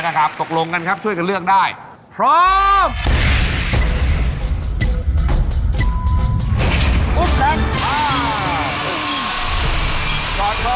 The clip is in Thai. และจะบวกเพิ่มตามเวลาที่ฝ่ายหญิงเปิดแผ่นป้ายได้